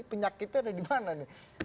penyakitnya ada di mana nih